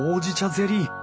ゼリー！